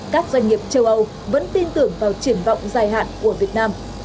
các doanh nghiệp châu âu vẫn tin tưởng vào triển vọng dài hạn của việt nam